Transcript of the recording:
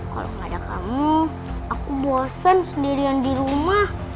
kalau nggak ada kamu aku bosen sendirian di rumah